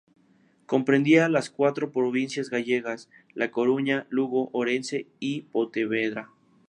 Comprendía las cuatro provincias gallegas: La Coruña, Lugo, Orense y Pontevedra.